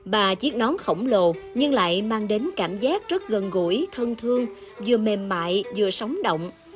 bà chiếc nón khổng lồ nhưng lại mang đến cảm giác rất gần gũi thân thương vừa mềm mại vừa sóng động